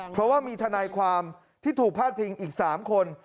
เพราะว่ามีทนายความที่ถูกพาดพิงอีก๓คน